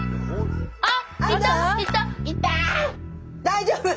大丈夫？